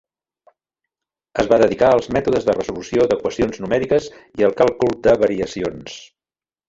Es va dedicar als mètodes de resolució d'equacions numèriques i al càlcul de variacions.